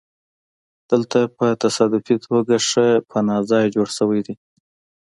دلته په تصادفي توګه ښه پناه ځای جوړ شوی دی